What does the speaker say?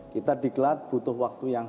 kita diklat butuh waktu yang